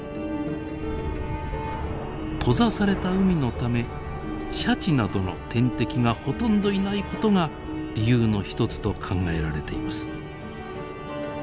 閉ざされた海のためシャチなどの天敵がほとんどいないことが理由の一つと考えられています。